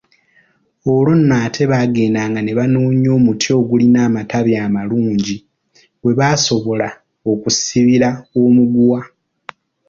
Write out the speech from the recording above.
Olwo nno ate baagendanga ne banoonya omuti ogulina amatabi amalungi we basobola okusibira omuguwa.